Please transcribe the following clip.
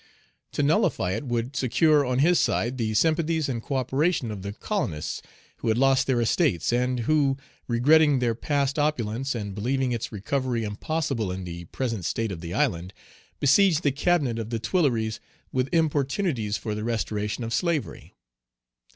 To nullify it would secure on his side the sympathies and coöperation of the colonists who had lost their estates, and who, regretting their past opulence, and believing its recovery impossible in the present state of the island, besieged the cabinet of the Tuileries with importunities for the restoration of slavery.